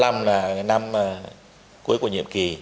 với cái tinh thần là năm cuối của nhiệm kỳ